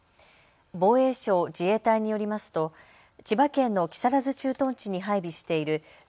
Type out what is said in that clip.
防衛省・自衛隊によりますと千葉県の木更津駐屯地に配備しているＶ２２